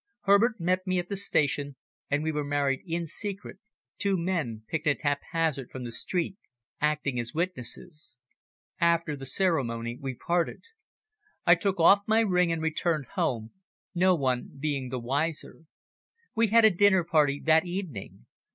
Herbert met me at the station, and we were married in secret, two men, picked at haphazard from the street, acting as witnesses. After the ceremony we parted. I took off my ring and returned home, no one being the wiser. We had a dinner party that evening.